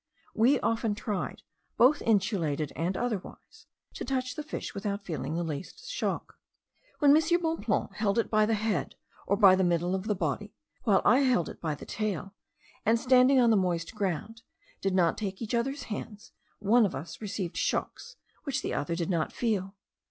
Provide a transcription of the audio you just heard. We often tried, both insulated and otherwise, to touch the fish, without feeling the least shock. When M. Bonpland held it by the head, or by the middle of the body, while I held it by the tail, and, standing on the moist ground, did not take each other's hand, one of us received shocks, which the other did not feel.